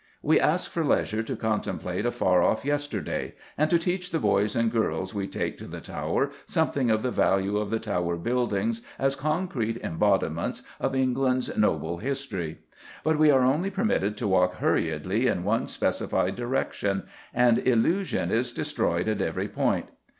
We ask for leisure to contemplate a far off yesterday, and to teach the boys and girls we take to the Tower something of the value of the Tower buildings as concrete embodiments of England's noble history; but we are only permitted to walk hurriedly in one specified direction, and illusion is destroyed at every point.